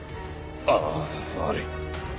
ああ悪い。